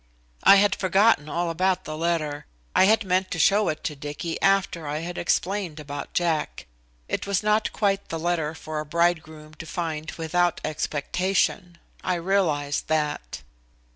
I had forgotten all about the letter. I had meant to show it to Dicky after I had explained about Jack. It was not quite the letter for a bridegroom to find without expectation. I realized that.